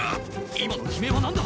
今の悲鳴は何だ！？